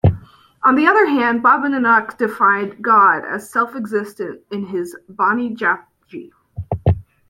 On the other hand, Baba Nanak defined God as self-existent in his bani Japji.